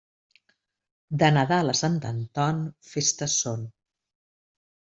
De Nadal a Sant Anton, festes són.